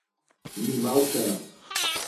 Ni mal que.